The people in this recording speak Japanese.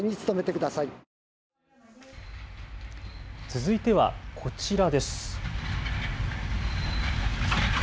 続いては、こちらです。